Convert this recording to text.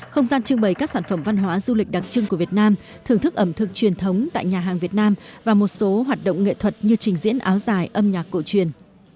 không gian trưng bày các sản phẩm văn hóa du lịch đặc trưng của việt nam thưởng thức ẩm thực truyền thống tại nhà hàng việt nam và một số hoạt động nghệ thuật như trình diễn áo dài âm nhạc cổ truyền